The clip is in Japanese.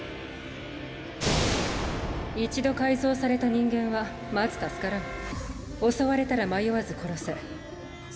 一度改造された人間はまず襲われたら迷わず殺せ。